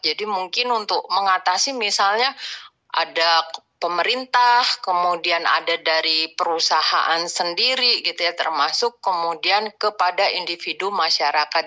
jadi mungkin untuk mengatasi misalnya ada pemerintah kemudian ada dari perusahaan sendiri gitu ya termasuk kemudian kepada individu masyarakat